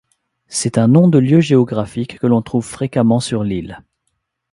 C'est un nom de lieu géographique que l'on trouve fréquemment sur l'île.